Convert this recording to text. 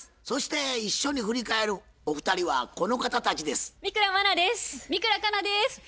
そして一緒に振り返るお二人はこの方たちです。